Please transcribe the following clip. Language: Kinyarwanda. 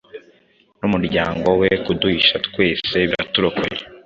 numuryango we kuduhisha twese Baraturokoye."